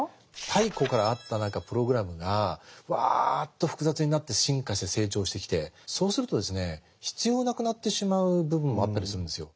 太古からあった何かプログラムがわっと複雑になって進化して成長してきてそうするとですね必要なくなってしまう部分もあったりするんですよ。